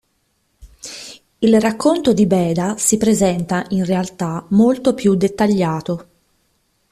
Il racconto di Beda si presenta, in realtà, molto più dettagliato.